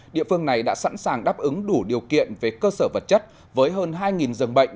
địa phương này đã sẵn sàng đáp ứng đủ điều kiện về cơ sở vật chất với hơn hai dân bệnh